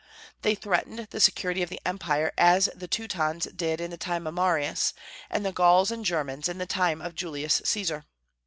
They threatened the security of the Empire, as the Teutons did in the time of Marius, and the Gauls and Germans in the time of Julius Caesar.